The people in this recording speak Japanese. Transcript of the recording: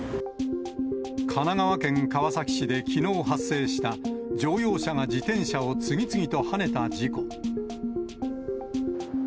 神奈川県川崎市で、きのう発生した、乗用車が自転車を次々とはねた事故。